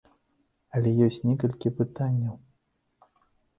Але ёсць некалькі пытанняў.